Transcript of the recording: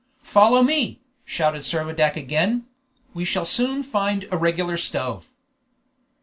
"Follow me!" shouted Servadac again; "we shall soon find a regular stove!"